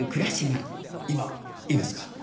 今いいですか？